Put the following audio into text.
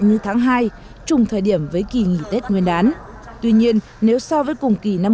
như tháng hai trùng thời điểm với kỳ nghỉ tết nguyên đán tuy nhiên nếu so với cùng kỳ năm